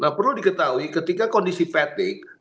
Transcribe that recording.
nah perlu diketahui ketika kondisi fatigue